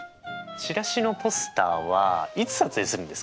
チラシのポスターはいつ撮影するんですか？